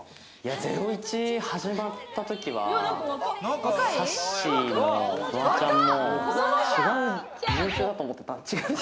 『ゼロイチ』始まったときは、さっしーもフワちゃんも違う人種だと思ってた。